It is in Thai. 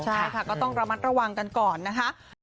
ใช่ค่ะก็ต้องระมัดระวังกันก่อนนะคะ